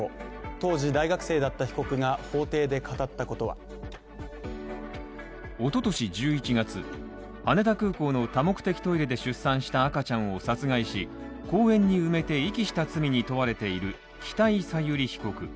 当時、大学生だった被告が法廷で語ったこととはおととし１１月、羽田空港の多目的トイレで出産した赤ちゃんを殺害し公園に埋めて遺棄した罪に問われている北井小由里被告。